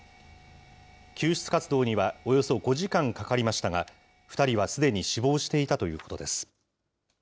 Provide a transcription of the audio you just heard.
救出活動にはおよそ５時間かかりましたが、２人はすでに死亡していたということです。